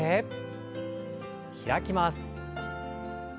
開きます。